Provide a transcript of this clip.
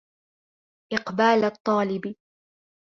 إقْبَالَ الطَّالِبِ